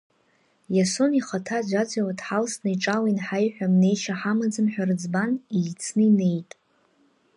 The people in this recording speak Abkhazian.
Иасон ихаҭа аӡәаӡәала дҳалсны иҿала ианҳаиҳәа мнеишьа ҳамаӡам ҳәа рыӡбан, еицны инеиит.